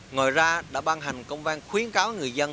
ngoài ra đã ban hành công vang khuyến cáo người dân